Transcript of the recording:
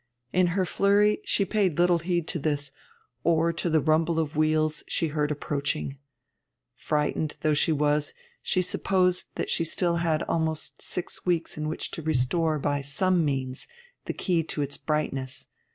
In her flurry she paid little heed to this, or to the rumble of wheels she heard approaching. Frightened though she was, she supposed that she had still almost six weeks in which to restore by some means the key to its brightness.